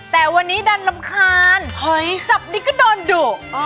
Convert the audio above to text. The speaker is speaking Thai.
แต่วันนี้ดันรำคาญจับดีก็โดนดุ